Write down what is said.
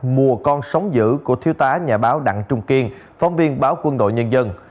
mùa con sống giữ của thiêu tá nhà báo đặng trung kiên phóng viên báo quân đội nhân dân